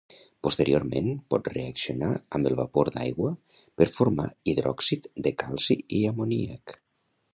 Posteriorment pot reaccionar amb el vapor d'aigua per formar hidròxid de calci i amoníac.